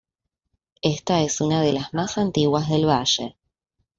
Esta es una de la más antiguas del valle.